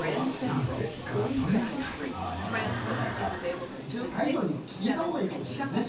何せイカがとれないからああまだまだとれないか一度大将に聞いた方がいいかもしれんね